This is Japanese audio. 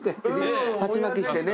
鉢巻きしてね。